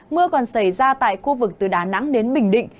mưa còn xảy ra tại khu vực từ đà nẵng đến bình định